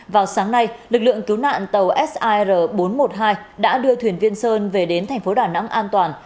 vào sáng nay lực lượng cứu nạn tàu sir bốn trăm một mươi hai đã đưa thuyền viên sơn về đến thành phố đà nẵng an toàn